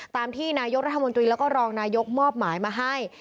ตามที่นายกรัฐมนตรีแล้วก็รองนายกมอบหมายมาให้